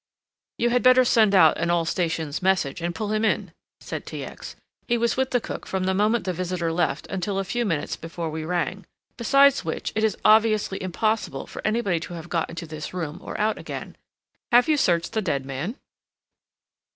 "You had better send out an 'All Stations' message and pull him in," said T. X. "He was with the cook from the moment the visitor left until a few minutes before we rang. Besides which it is obviously impossible for anybody to have got into this room or out again. Have you searched the dead man?"